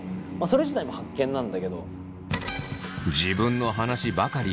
それ自体も発見なんだけど。